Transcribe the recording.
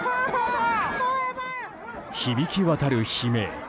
響き渡る悲鳴。